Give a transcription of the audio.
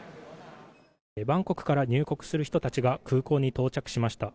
バンコクから入国する人たちが空港に到着しました。